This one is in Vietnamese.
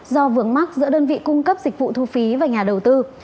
do vướng mắt giữa đơn vị cung cấp dịch vụ thu phí và nhà đầu tư